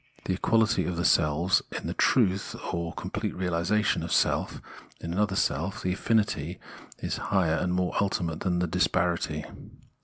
The equality of the selves is the truth, or completer realisation, of self in another self ; the affinity is higher and more ultimate than the disparity.